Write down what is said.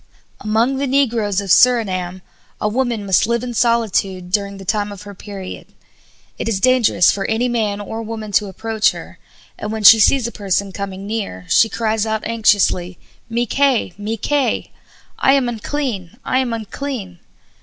Among the negroes of Surinam a woman must live in solitude during the time of her period; it is dangerous for any man or woman to approach her, and when she sees a person coming near she cries out anxiously: "Mi kay! Mi kay!" I am unclean! I am unclean!